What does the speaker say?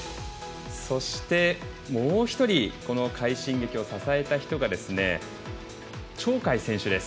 そして、もう一人、この快進撃を支えた人が、鳥海選手です。